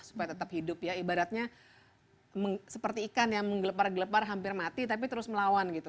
supaya tetap hidup ya ibaratnya seperti ikan yang menggelepar gelepar hampir mati tapi terus melawan gitu